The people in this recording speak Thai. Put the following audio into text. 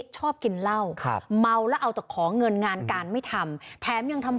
ชอบกินเหล้าครับเมาแล้วเอาแต่ของเงินงานการไม่ทำแถมยังทำ